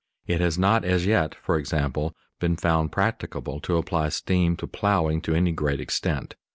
It has not as yet, for example, been found practicable to apply steam to ploughing to any great extent.